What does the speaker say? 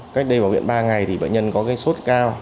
cách đây vào viện ba ngày thì bệnh nhân có cái sốt cao